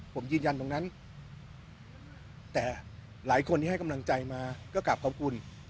ผมยืนยันตรงนั้นแต่หลายคนที่ให้กำลังใจมาก็กลับขอบคุณ